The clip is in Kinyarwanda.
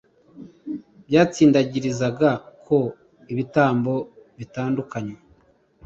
byatsindagirizaga ko ibitambo bitandukanye